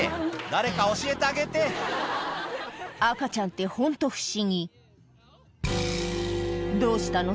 誰か教えてあげて赤ちゃんってホント不思議どうしたの？